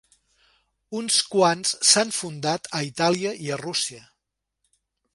Uns quants s'han fundat a Itàlia i a Rússia.